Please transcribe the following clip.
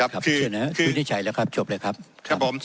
เชิญนะครับวินิจฉัยแล้วครับจบเลยครับครับผม